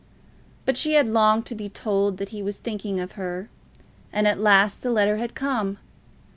But she had longed to be told that he was thinking of her, and at last the letter had come.